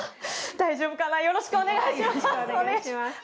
大丈夫かなよろしくお願いします。